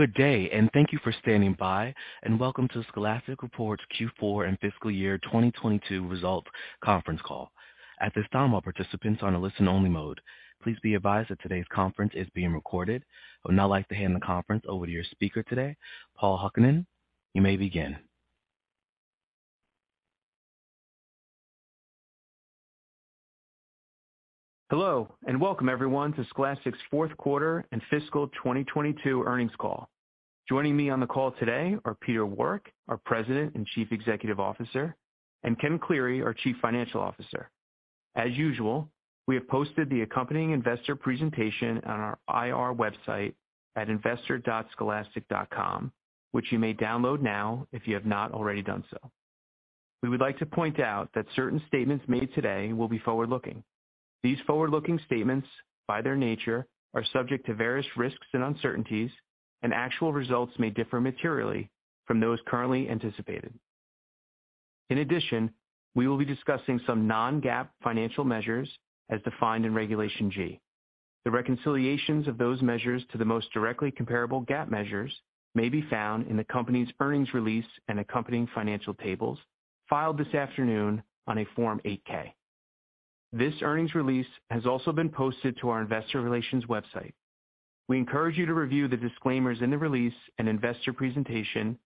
Good day, and thank you for standing by, and welcome to Scholastic's Q4 and fiscal year 2022 results conference call. At this time, all participants are on a listen-only mode. Please be advised that today's conference is being recorded. I would now like to hand the conference over to your speaker today, Paul Hukkanen. You may begin. Hello and welcome everyone to Scholastic's fourth quarter and fiscal 2022 earnings call. Joining me on the call today are Peter Warwick, our President and Chief Executive Officer, and Ken Cleary, our Chief Financial Officer. As usual, we have posted the accompanying investor presentation on our IR website at investor.scholastic.com, which you may download now if you have not already done so. We would like to point out that certain statements made today will be forward-looking. These forward-looking statements, by their nature, are subject to various risks and uncertainties, and actual results may differ materially from those currently anticipated. In addition, we will be discussing some non-GAAP financial measures as defined in Regulation G. The reconciliations of those measures to the most directly comparable GAAP measures may be found in the company's earnings release and accompanying financial tables filed this afternoon on a Form 8-K. This earnings release has also been posted to our investor relations website. We encourage you to review the disclaimers in the release and investor presentation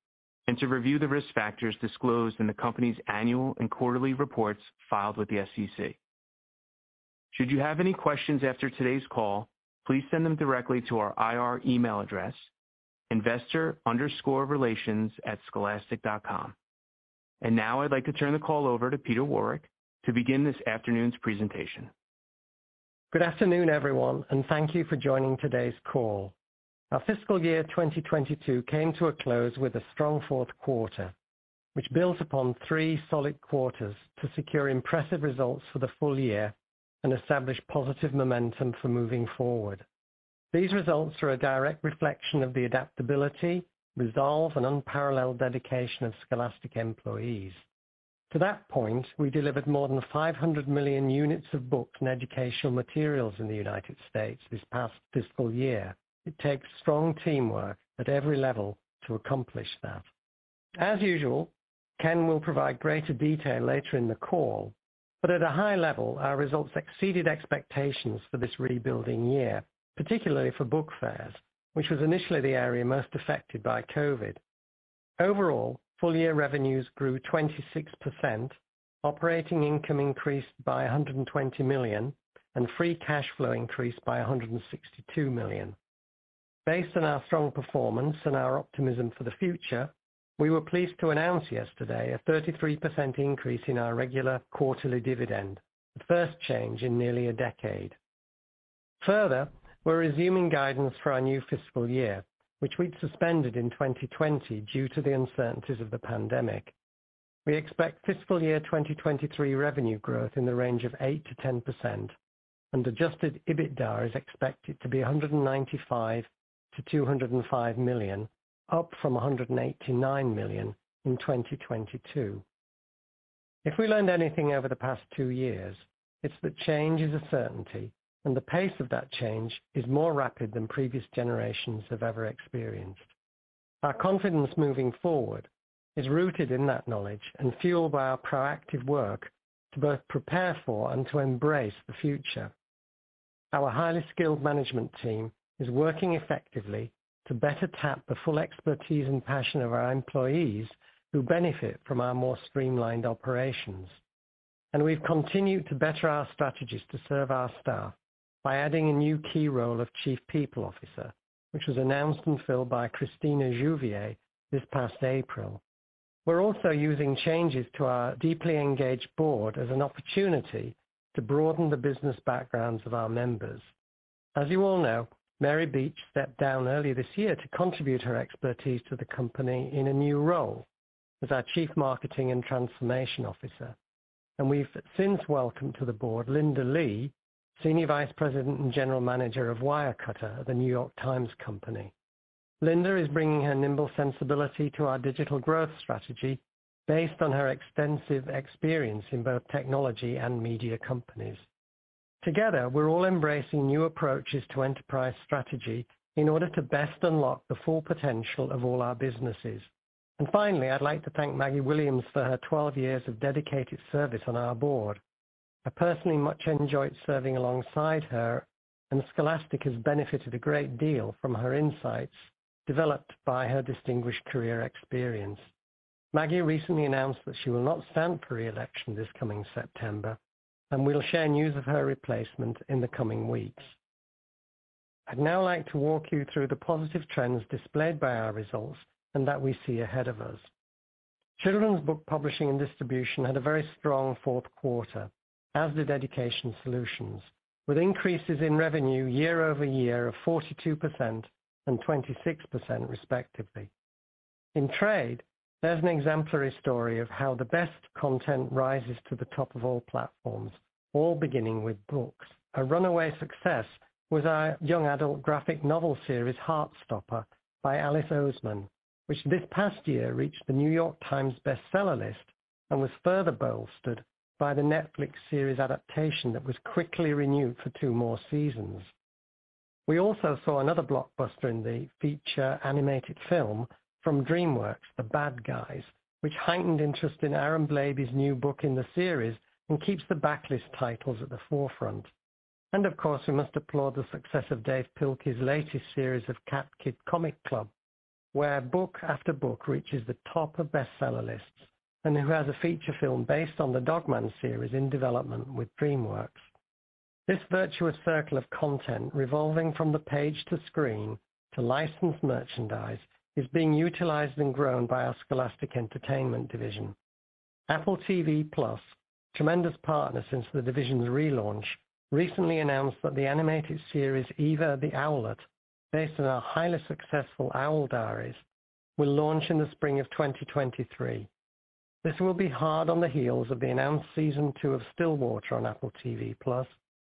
and to review the risk factors disclosed in the company's annual and quarterly reports filed with the SEC. Should you have any questions after today's call, please send them directly to our IR email address investor_relations@scholastic.com. Now I'd like to turn the call over to Peter Warwick to begin this afternoon's presentation. Good afternoon, everyone, and thank you for joining today's call. Our fiscal year 2022 came to a close with a strong fourth quarter, which built upon three solid quarters to secure impressive results for the full year and establish positive momentum for moving forward. These results are a direct reflection of the adaptability, resolve and unparalleled dedication of Scholastic employees. To that point, we delivered more than 500 million units of books and educational materials in the United States this past fiscal year. It takes strong teamwork at every level to accomplish that. As usual, Ken will provide greater detail later in the call, but at a high level, our results exceeded expectations for this rebuilding year, particularly for Book Fairs, which was initially the area most affected by COVID. Overall, full-year revenues grew 26%, operating income increased by $120 million, and free cash flow increased by $162 million. Based on our strong performance and our optimism for the future, we were pleased to announce yesterday a 33% increase in our regular quarterly dividend. The first change in nearly a decade. Further, we're resuming guidance for our new fiscal year, which we'd suspended in 2020 due to the uncertainties of the pandemic. We expect fiscal year 2023 revenue growth in the range of 8%-10% and adjusted EBITDA is expected to be $195 million-$205 million, up from $189 million in 2022. If we learned anything over the past two years, it's that change is a certainty, and the pace of that change is more rapid than previous generations have ever experienced. Our confidence moving forward is rooted in that knowledge and fueled by our proactive work to both prepare for and to embrace the future. Our highly skilled management team is working effectively to better tap the full expertise and passion of our employees who benefit from our more streamlined operations. We've continued to better our strategies to serve our staff by adding a new key role of Chief People Officer, which was announced and filled by Cristina Juvier this past April. We're also using changes to our deeply engaged board as an opportunity to broaden the business backgrounds of our members. As you all know, Mary Beech stepped down early this year to contribute her expertise to the company in a new role as our chief marketing and transformation officer. We've since welcomed to the board Linda Li, Senior Vice President and General Manager of Wirecutter at The New York Times Company. Linda is bringing her nimble sensibility to our digital growth strategy based on her extensive experience in both technology and media companies. Together, we're all embracing new approaches to enterprise strategy in order to best unlock the full potential of all our businesses. Finally, I'd like to thank Maggie Williams for her 12 years of dedicated service on our board. I personally much enjoyed serving alongside her, and Scholastic has benefited a great deal from her insights developed by her distinguished career experience. Maggie recently announced that she will not stand for re-election this coming September and we'll share news of her replacement in the coming weeks. I'd now like to walk you through the positive trends displayed by our results and that we see ahead of us. Children's Book Publishing and Distribution had a very strong fourth quarter, as did Education Solutions, with increases in revenue year-over-year of 42% and 26% respectively. In Trade, there's an exemplary story of how the best content rises to the top of all platforms, all beginning with books. A runaway success was our young adult graphic novel series, Heartstopper by Alice Oseman, which this past year reached The New York Times bestseller list. Was further bolstered by the Netflix series adaptation that was quickly renewed for two more seasons. We also saw another blockbuster in the feature animated film from DreamWorks, The Bad Guys, which heightened interest in Aaron Blabey's new book in the series and keeps the backlist titles at the forefront. Of course, we must applaud the success of Dav Pilkey's latest series, Cat Kid Comic Club, where book after book reaches the top of bestseller lists, and who has a feature film based on the Dog Man series in development with DreamWorks. This virtuous circle of content revolving from the page to screen to licensed merchandise is being utilized and grown by our Scholastic Entertainment division. Apple TV+, tremendous partner since the division's relaunch, recently announced that the animated series Eva the Owlet, based on our highly successful Owl Diaries, will launch in the spring of 2023. This will be hard on the heels of the announced season two of Stillwater on Apple TV+,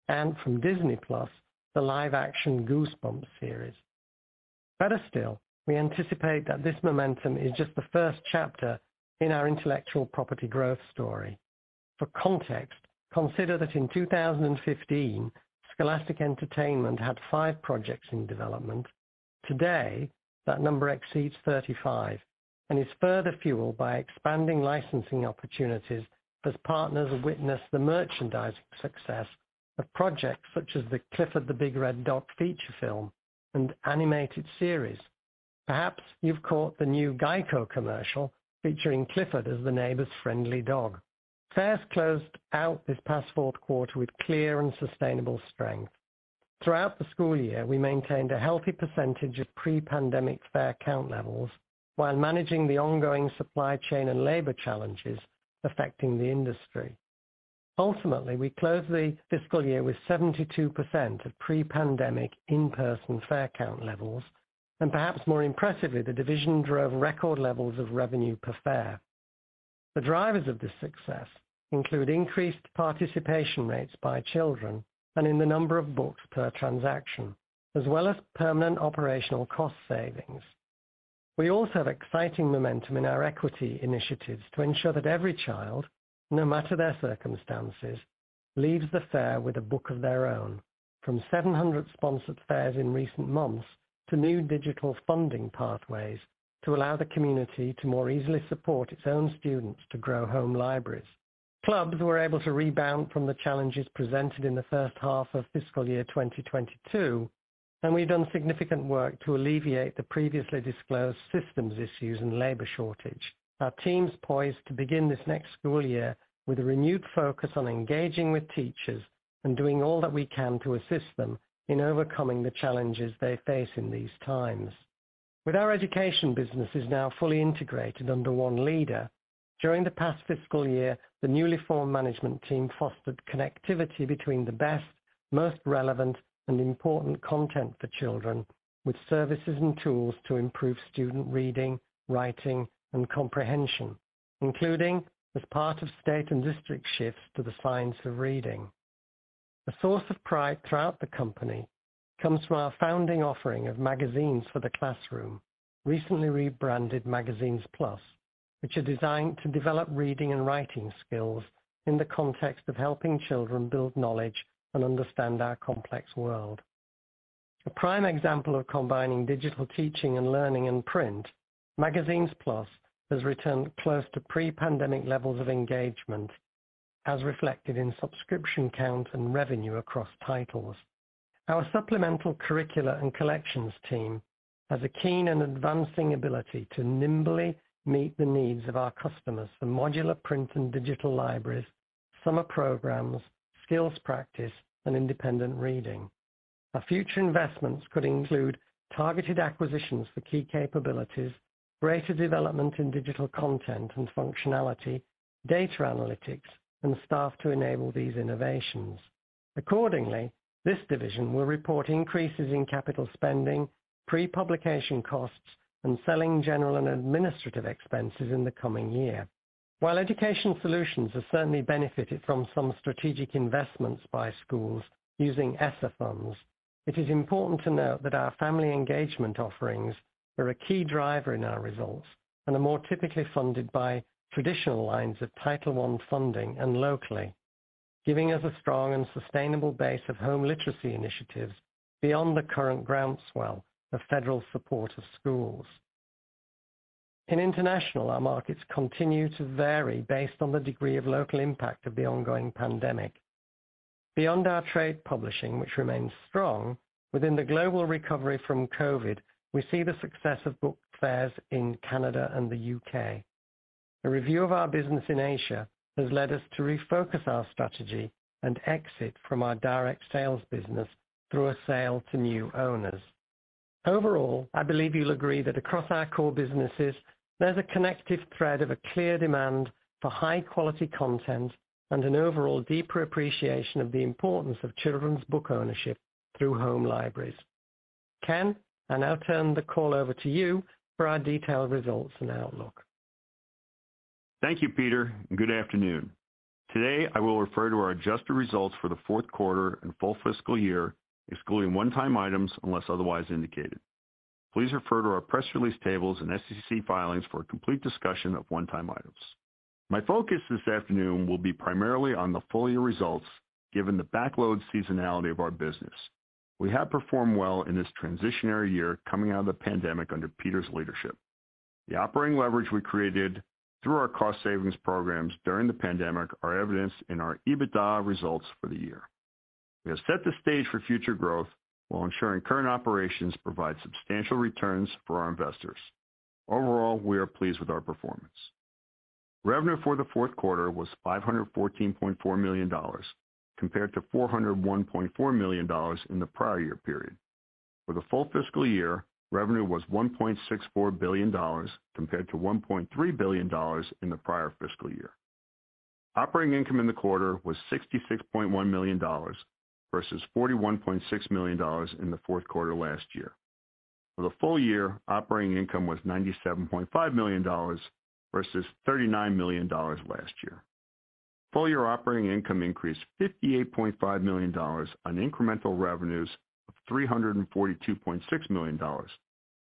and from Disney+, the live-action Goosebumps series. Better still, we anticipate that this momentum is just the first chapter in our intellectual property growth story. For context, consider that in 2015, Scholastic Entertainment had five projects in development. Today, that number exceeds 35 and is further fueled by expanding licensing opportunities as partners have witnessed the merchandising success of projects such as the Clifford the Big Red Dog feature film and animated series. Perhaps you've caught the new GEICO commercial featuring Clifford as the neighbor's friendly dog. Fairs closed out this past fourth quarter with clear and sustainable strength. Throughout the school year, we maintained a healthy percentage of pre-pandemic fair count levels while managing the ongoing supply chain and labor challenges affecting the industry. Ultimately, we closed the fiscal year with 72% of pre-pandemic in-person fair count levels, and perhaps more impressively, the division drove record levels of revenue per fair. The drivers of this success include increased participation rates by children and in the number of books per transaction, as well as permanent operational cost savings. We also have exciting momentum in our equity initiatives to ensure that every child, no matter their circumstances, leaves the fair with a book of their own, from 700 sponsored fairs in recent months to new digital funding pathways to allow the community to more easily support its own students to grow home libraries. Clubs were able to rebound from the challenges presented in the first half of fiscal year 2022, and we've done significant work to alleviate the previously disclosed systems issues and labor shortage. Our team's poised to begin this next school year with a renewed focus on engaging with teachers and doing all that we can to assist them in overcoming the challenges they face in these times. With our education businesses now fully integrated under one leader, during the past fiscal year, the newly formed management team fostered connectivity between the best, most relevant, and important content for children with services and tools to improve student reading, writing, and comprehension, including as part of state and district shifts to the science of reading. A source of pride throughout the company comes from our founding offering of magazines for the classroom, recently rebranded Magazines+, which are designed to develop reading and writing skills in the context of helping children build knowledge and understand our complex world. A prime example of combining digital teaching and learning in print, Scholastic Magazines+ has returned close to pre-pandemic levels of engagement, as reflected in subscription count and revenue across titles. Our supplemental curricula and collections team has a keen and advancing ability to nimbly meet the needs of our customers for modular print and digital libraries, summer programs, skills practice, and independent reading. Our future investments could include targeted acquisitions for key capabilities, greater development in digital content and functionality, data analytics, and staff to enable these innovations. Accordingly, this division will report increases in capital spending, pre-publication costs, and selling, general, and administrative expenses in the coming year. While Education Solutions have certainly benefited from some strategic investments by schools using ESSER funds, it is important to note that our family engagement offerings are a key driver in our results and are more typically funded by traditional lines of Title I funding and locally, giving us a strong and sustainable base of home literacy initiatives beyond the current groundswell of federal support of schools. In International, our markets continue to vary based on the degree of local impact of the ongoing pandemic. Beyond our Trade publishing, which remains strong, within the global recovery from COVID, we see the success of Book Fairs in Canada and the U.K. A review of our business in Asia has led us to refocus our strategy and exit from our direct sales business through a sale to new owners. Overall, I believe you'll agree that across our core businesses, there's a connective thread of a clear demand for high-quality content and an overall deeper appreciation of the importance of children's book ownership through home libraries. Ken, I now turn the call over to you for our detailed results and outlook. Thank you, Peter, and good afternoon. Today, I will refer to our adjusted results for the fourth quarter and full fiscal year, excluding one-time items, unless otherwise indicated. Please refer to our press release tables and SEC filings for a complete discussion of one-time items. My focus this afternoon will be primarily on the full year results, given the back-loaded seasonality of our business. We have performed well in this transitional year coming out of the pandemic under Peter's leadership. The operating leverage we created through our cost savings programs during the pandemic are evidenced in our EBITDA results for the year. We have set the stage for future growth while ensuring current operations provide substantial returns for our investors. Overall, we are pleased with our performance. Revenue for the fourth quarter was $514.4 million compared to $401.4 million in the prior year period. For the full fiscal year, revenue was $1.64 billion compared to $1.3 billion in the prior fiscal year. Operating income in the quarter was $66.1 million versus $41.6 million in the fourth quarter last year. For the full year, operating income was $97.5 million versus $39 million last year. Full year operating income increased $58.5 million on incremental revenues of $342.6 million,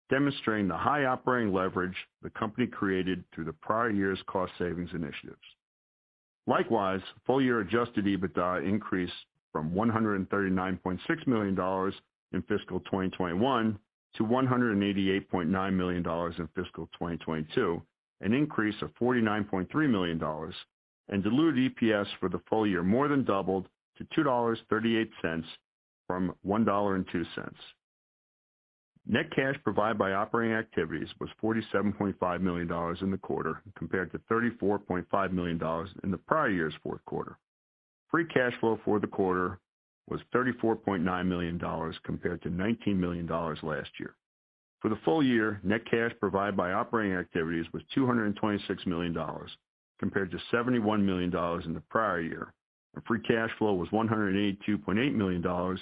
demonstrating the high operating leverage the company created through the prior year's cost savings initiatives. Likewise, full year adjusted EBITDA increased from $139.6 million in fiscal 2021 to $188.9 million in fiscal 2022, an increase of $49.3 million. Diluted EPS for the full year more than doubled to $2.38 from $1.02. Net cash provided by operating activities was $47.5 million in the quarter compared to $34.5 million in the prior year's fourth quarter. Free cash flow for the quarter was $34.9 million compared to $19 million last year. For the full year, net cash provided by operating activities was $226 million compared to $71 million in the prior year, and free cash flow was $182.8 million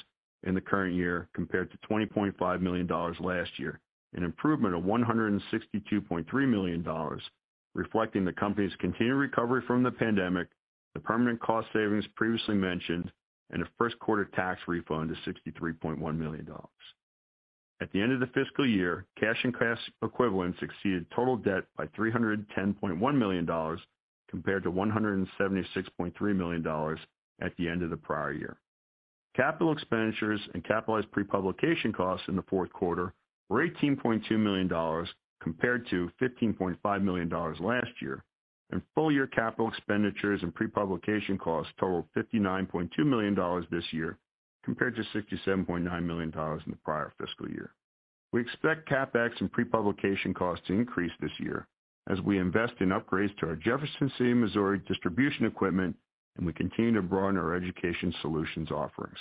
in the current year compared to $20.5 million last year, an improvement of $162.3 million, reflecting the company's continued recovery from the pandemic, the permanent cost savings previously mentioned, and a first quarter tax refund of $63.1 million. At the end of the fiscal year, cash and cash equivalents exceeded total debt by $310.1 million compared to $176.3 million at the end of the prior year. Capital expenditures and capitalized pre-publication costs in the fourth quarter were $18.2 million compared to $15.5 million last year. Full year capital expenditures and pre-publication costs totaled $59.2 million this year, compared to $67.9 million in the prior fiscal year. We expect CapEx and pre-publication costs to increase this year as we invest in upgrades to our Jefferson City, Missouri, distribution equipment and we continue to broaden our Education Solutions offerings.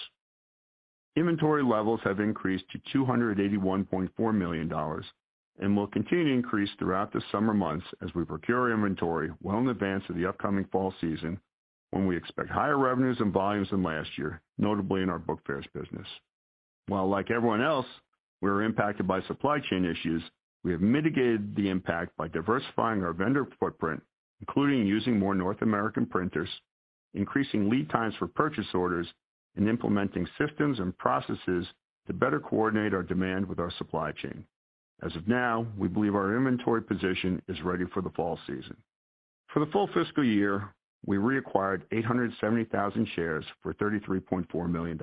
Inventory levels have increased to $281.4 million and will continue to increase throughout the summer months as we procure inventory well in advance of the upcoming fall season, when we expect higher revenues and volumes than last year, notably in our Book Fairs business. While like everyone else, we are impacted by supply chain issues, we have mitigated the impact by diversifying our vendor footprint, including using more North American printers, increasing lead times for purchase orders, and implementing systems and processes to better coordinate our demand with our supply chain. As of now, we believe our inventory position is ready for the fall season. For the full fiscal year, we reacquired 870,000 shares for $33.4 million.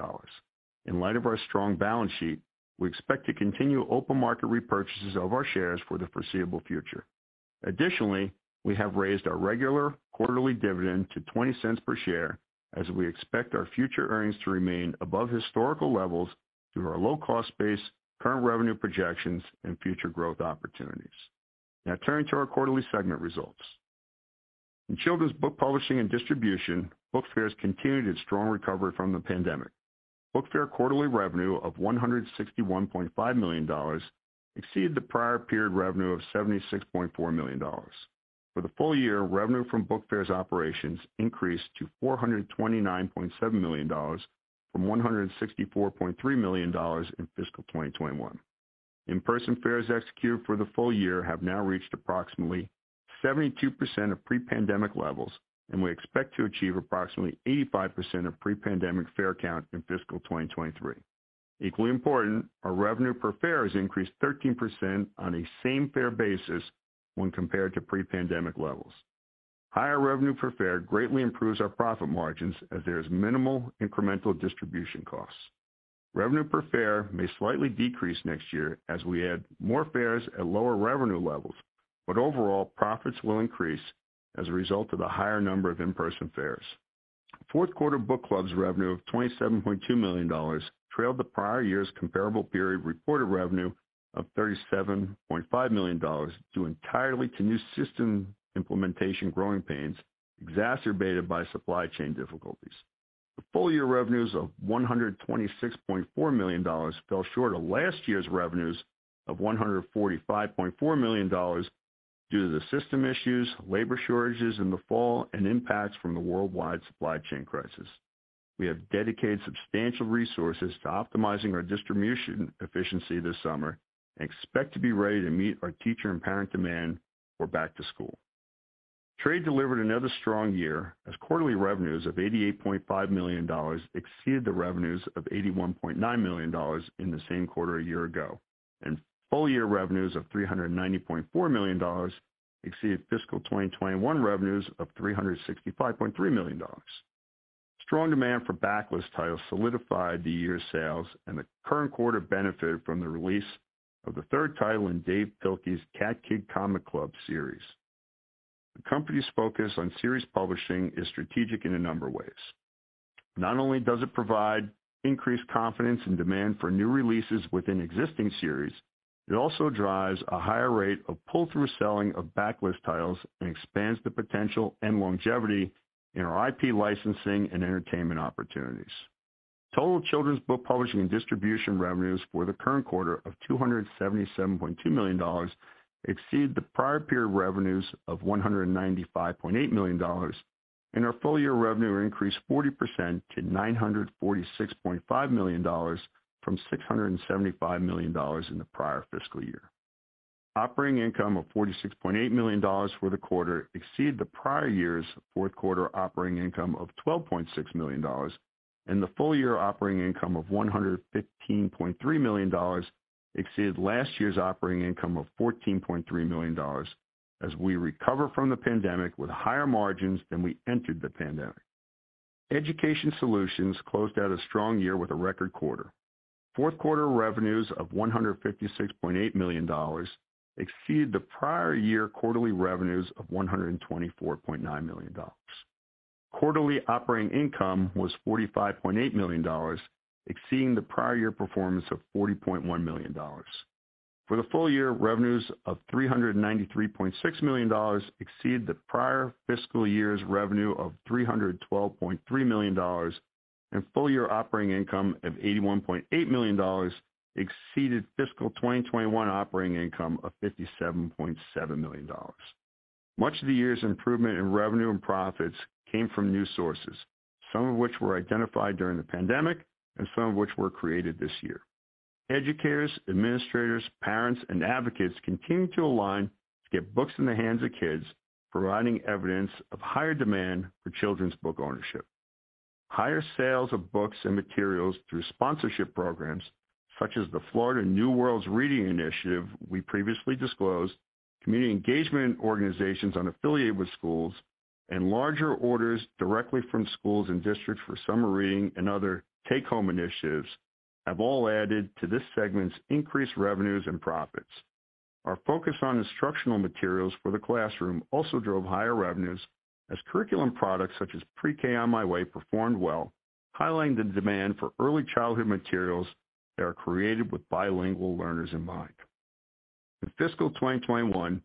In light of our strong balance sheet, we expect to continue open market repurchases of our shares for the foreseeable future. Additionally, we have raised our regular quarterly dividend to $0.20 per share as we expect our future earnings to remain above historical levels through our low-cost base, current revenue projections and future growth opportunities. Now turning to our quarterly segment results. In Children's Book Publishing and Distribution, Book Fairs continued its strong recovery from the pandemic. Book Fairs quarterly revenue of $161.5 million exceeded the prior period revenue of $76.4 million. For the full year, revenue from Book Fairs operations increased to $429.7 million from $164.3 million in fiscal 2021. In-person fairs executed for the full year have now reached approximately 72% of pre-pandemic levels, and we expect to achieve approximately 85% of pre-pandemic fair count in fiscal 2023. Equally important, our revenue per fair has increased 13% on a same fair basis when compared to pre-pandemic levels. Higher revenue per fair greatly improves our profit margins as there is minimal incremental distribution costs. Revenue per Fair may slightly decrease next year as we add more Fairs at lower revenue levels, but overall profits will increase as a result of the higher number of in-person Fairs. Fourth quarter Book Clubs revenue of $27.2 million trailed the prior year's comparable period reported revenue of $37.5 million due entirely to new system implementation growing pains exacerbated by supply chain difficulties. The full year revenues of $126.4 million fell short of last year's revenues of $145.4 million due to the system issues, labor shortages in the fall, and impacts from the worldwide supply chain crisis. We have dedicated substantial resources to optimizing our distribution efficiency this summer and expect to be ready to meet our teacher and parent demand for back to school. Trade delivered another strong year as quarterly revenues of $88.5 million exceeded the revenues of $81.9 million in the same quarter a year ago, and full-year revenues of $390.4 million exceeded fiscal 2021 revenues of $365.3 million. Strong demand for backlist titles solidified the year's sales, and the current quarter benefited from the release of the third title in Dav Pilkey's Cat Kid Comic Club series. The company's focus on series publishing is strategic in a number of ways. Not only does it provide increased confidence and demand for new releases within existing series, it also drives a higher rate of pull-through selling of backlist titles and expands the potential and longevity in our IP licensing and entertainment opportunities. Total Children's Book Publishing and Distribution revenues for the current quarter of $277.2 million exceeded the prior period revenues of $195.8 million, and our full year revenue increased 40% to $946.5 million from $675 million in the prior fiscal year. Operating income of $46.8 million for the quarter exceeded the prior year's fourth quarter operating income of $12.6 million, and the full year operating income of $115.3 million exceeded last year's operating income of $14.3 million as we recover from the pandemic with higher margins than we entered the pandemic. Education Solutions closed out a strong year with a record quarter. Fourth quarter revenues of $156.8 million exceeded the prior year quarterly revenues of $124.9 million. Quarterly operating income was $45.8 million, exceeding the prior year performance of $40.1 million. For the full year, revenues of $393.6 million exceeded the prior fiscal year's revenue of $312.3 million, and full year operating income of $81.8 million exceeded fiscal 2021 operating income of $57.7 million. Much of the year's improvement in revenue and profits came from new sources, some of which were identified during the pandemic and some of which were created this year. Educators, administrators, parents, and advocates continued to align to get books in the hands of kids, providing evidence of higher demand for children's book ownership. Higher sales of books and materials through sponsorship programs such as the Florida New Worlds Reading Initiative we previously disclosed, community engagement organizations unaffiliated with schools, and larger orders directly from schools and districts for summer reading and other take-home initiatives have all added to this segment's increased revenues and profits. Our focus on instructional materials for the classroom also drove higher revenues as curriculum products such as PreK On My Way performed well, highlighting the demand for early childhood materials that are created with bilingual learners in mind. In fiscal 2021,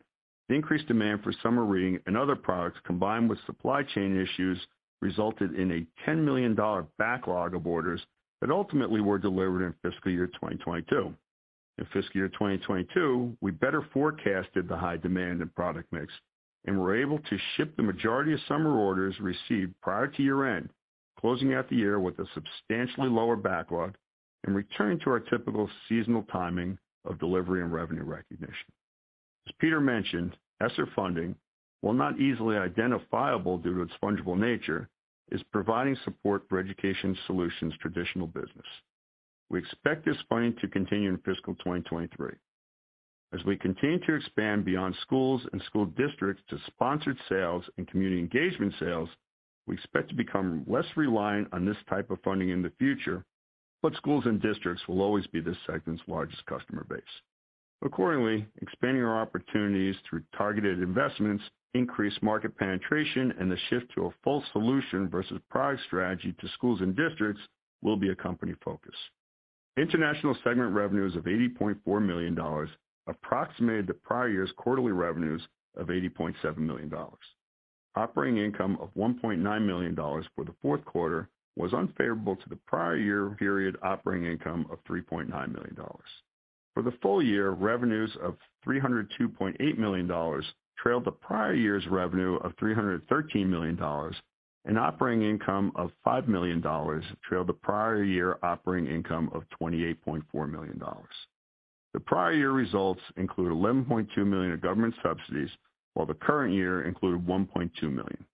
the increased demand for summer reading and other products, combined with supply chain issues, resulted in a $10 million backlog of orders that ultimately were delivered in fiscal year 2022. In fiscal year 2022, we better forecasted the high demand and product mix and were able to ship the majority of summer orders received prior to year-end, closing out the year with a substantially lower backlog and returning to our typical seasonal timing of delivery and revenue recognition. As Peter mentioned, ESSER funding, while not easily identifiable due to its fungible nature, is providing support for Education Solutions' traditional business. We expect this funding to continue in fiscal 2023. As we continue to expand beyond schools and school districts to sponsored sales and community engagement sales, we expect to become less reliant on this type of funding in the future, but schools and districts will always be this segment's largest customer base. Accordingly, expanding our opportunities through targeted investments, increased market penetration, and the shift to a full solution versus product strategy to schools and districts will be a company focus. International segment revenues of $80.4 million approximated the prior year's quarterly revenues of $80.7 million. Operating income of $1.9 million for the fourth quarter was unfavorable to the prior year period operating income of $3.9 million. For the full year, revenues of $302.8 million trailed the prior year's revenue of $313 million and operating income of $5 million trailed the prior year operating income of $28.4 million. The prior year results include $11.2 million of government subsidies, while the current year included $1.2 million.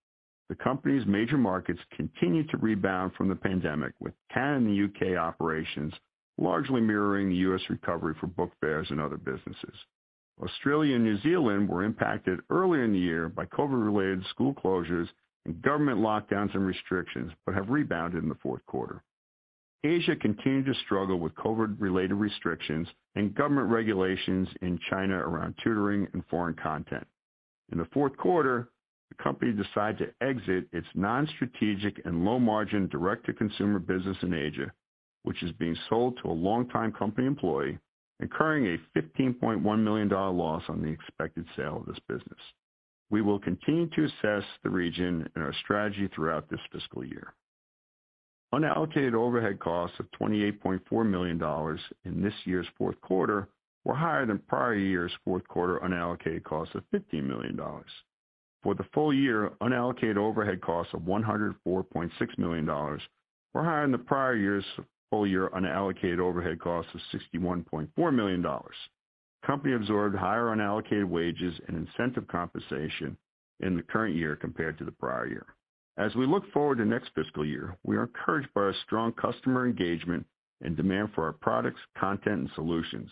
The company's major markets continued to rebound from the pandemic, with Canada and the U.K. operations largely mirroring the U.S. recovery for Book Fairs and other businesses. Australia and New Zealand were impacted early in the year by COVID-related school closures and government lockdowns and restrictions, but have rebounded in the fourth quarter. Asia continued to struggle with COVID-related restrictions and government regulations in China around tutoring and foreign content. In the fourth quarter, the company decided to exit its non-strategic and low-margin direct-to-consumer business in Asia, which is being sold to a longtime company employee, incurring a $15.1 million loss on the expected sale of this business. We will continue to assess the region and our strategy throughout this fiscal year. Unallocated overhead costs of $28.4 million in this year's fourth quarter were higher than prior year's fourth quarter unallocated costs of $15 million. For the full year, unallocated overhead costs of $104.6 million were higher than the prior year's full year unallocated overhead costs of $61.4 million. Company absorbed higher unallocated wages and incentive compensation in the current year compared to the prior year. As we look forward to next fiscal year, we are encouraged by our strong customer engagement and demand for our products, content, and solutions.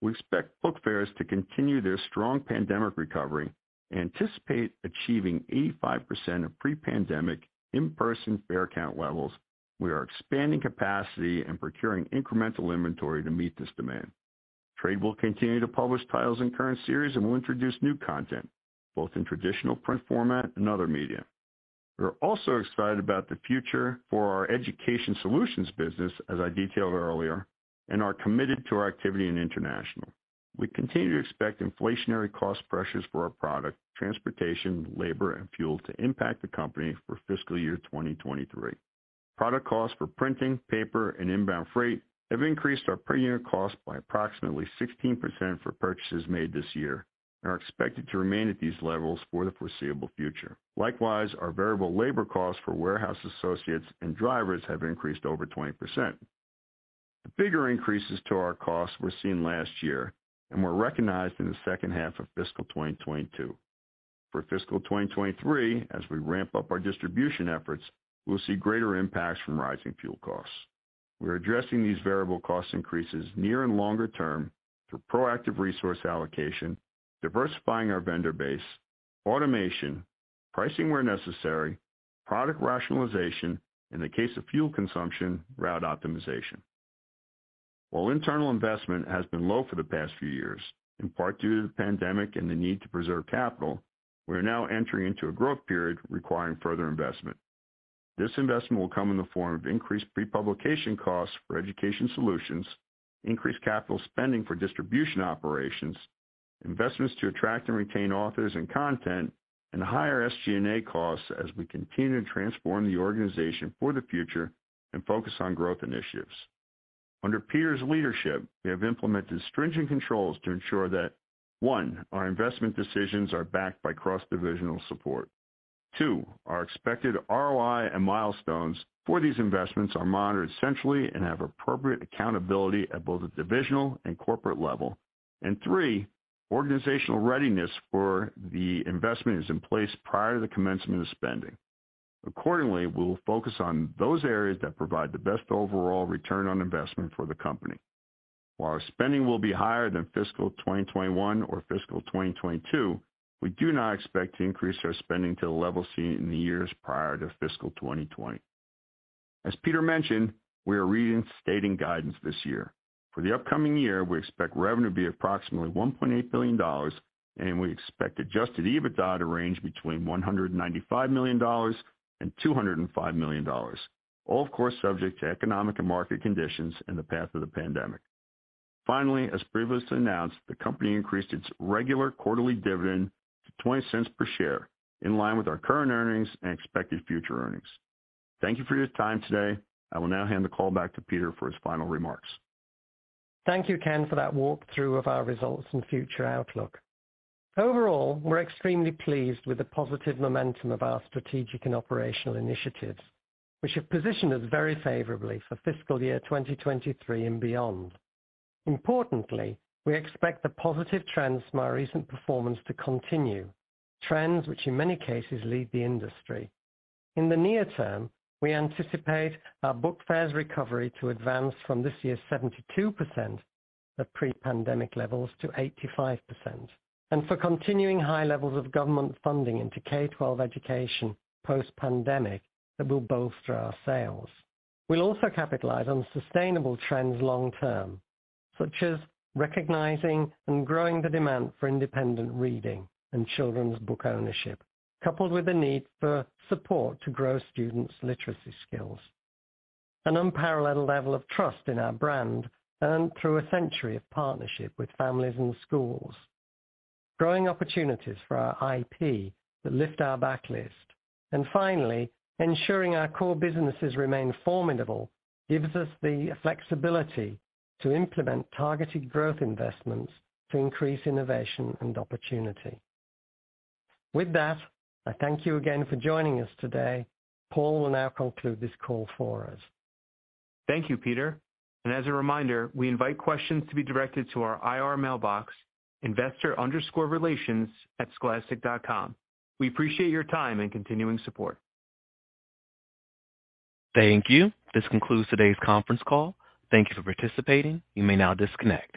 We expect Book Fairs to continue their strong pandemic recovery, anticipate achieving 85% of pre-pandemic in-person fair count levels. We are expanding capacity and procuring incremental inventory to meet this demand. Trade will continue to publish titles in current series and will introduce new content, both in traditional print format and other media. We're also excited about the future for our Education Solutions business, as I detailed earlier, and are committed to our activity in International. We continue to expect inflationary cost pressures for our product, transportation, labor, and fuel to impact the company for fiscal year 2023. Product costs for printing, paper, and inbound freight have increased our per unit cost by approximately 16% for purchases made this year and are expected to remain at these levels for the foreseeable future. Likewise, our variable labor costs for warehouse associates and drivers have increased over 20%. The bigger increases to our costs were seen last year and were recognized in the second half of fiscal 2022. For fiscal 2023, as we ramp up our distribution efforts, we'll see greater impacts from rising fuel costs. We're addressing these variable cost increases near and longer-term through proactive resource allocation, diversifying our vendor base, automation, pricing where necessary, product rationalization, in the case of fuel consumption, route optimization. While internal investment has been low for the past few years, in part due to the pandemic and the need to preserve capital, we are now entering into a growth period requiring further investment. This investment will come in the form of increased pre-publication costs for Education Solutions, increased capital spending for distribution operations, investments to attract and retain authors and content, and higher SG&A costs as we continue to transform the organization for the future and focus on growth initiatives. Under Peter's leadership, we have implemented stringent controls to ensure that, one, our investment decisions are backed by cross-divisional support. Two, our expected ROI and milestones for these investments are monitored centrally and have appropriate accountability at both the divisional and corporate level. Three, organizational readiness for the investment is in place prior to the commencement of spending. Accordingly, we will focus on those areas that provide the best overall return on investment for the company. While our spending will be higher than fiscal 2021 or fiscal 2022, we do not expect to increase our spending to the level seen in the years prior to fiscal 2020. As Peter mentioned, we are reinstating guidance this year. For the upcoming year, we expect revenue to be approximately $1.8 billion, and we expect adjusted EBITDA to range between $195 million and $205 million, all of course, subject to economic and market conditions and the path of the pandemic. Finally, as previously announced, the company increased its regular quarterly dividend to $0.20 per share in line with our current earnings and expected future earnings. Thank you for your time today. I will now hand the call back to Peter for his final remarks. Thank you, Ken, for that walkthrough of our results and future outlook. Overall, we're extremely pleased with the positive momentum of our strategic and operational initiatives, which have positioned us very favorably for fiscal year 2023 and beyond. Importantly, we expect the positive trends from our recent performance to continue, trends which in many cases lead the industry. In the near-term, we anticipate our Book Fairs recovery to advance from this year's 72% of pre-pandemic levels to 85%, and for continuing high levels of government funding into K-12 education post-pandemic that will bolster our sales. We'll also capitalize on sustainable trends long-term, such as recognizing and growing the demand for independent reading and children's book ownership, coupled with the need for support to grow students' literacy skills. An unparalleled level of trust in our brand earned through a century of partnership with families and schools. Growing opportunities for our IP that lift our backlist. Finally, ensuring our core businesses remain formidable gives us the flexibility to implement targeted growth investments to increase innovation and opportunity. With that, I thank you again for joining us today. Paul will now conclude this call for us. Thank you, Peter. As a reminder, we invite questions to be directed to our IR mailbox, investor_relations@scholastic.com. We appreciate your time and continuing support. Thank you. This concludes today's conference call. Thank you for participating. You may now disconnect.